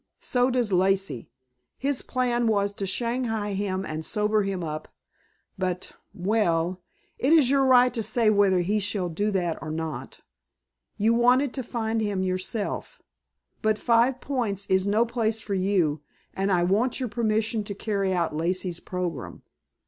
So does Lacey. His plan was to shanghai him and sober him up. But well it is your right to say whether he shall do that or not. You wanted to find him yourself. But Five Points is no place for you, and I want your permission to carry out Lacey's program."